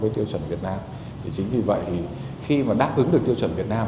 thì chính vì vậy khi đáp ứng được tiêu chuẩn việt nam